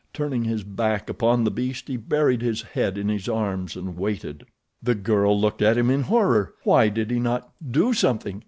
Turning his back upon the beast, he buried his head in his arms and waited. The girl looked at him in horror. Why did he not do something?